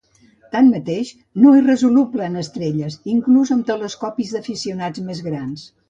Tanmateix, no és resoluble en estrelles inclús amb els telescopis d'aficionats més grans.